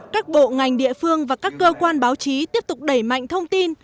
các bộ ngành địa phương và các cơ quan báo chí tiếp tục đẩy mạnh thông tin